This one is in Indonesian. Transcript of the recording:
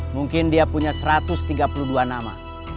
mungkin dia punya satu ratus tiga puluh dua nama